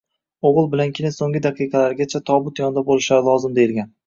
O`g`il bilan kelin so`nggi daqiqalargacha tobut yonida bo`lishlari lozim, deyilgan